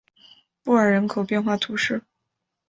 布尔人口变化图示